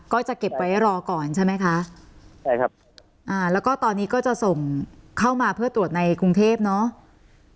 ก็จะเก็บไว้รอก่อนใช่ไหมคะใช่ครับอ่าแล้วก็ตอนนี้ก็จะส่งเข้ามาเพื่อตรวจในกรุงเทพเนาะ